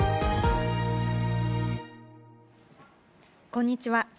こんにちは。